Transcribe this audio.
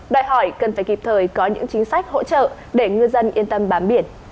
đòi hỏi cần phải kịp thời có những chính sách hỗ trợ để ngư dân yên tâm bám biển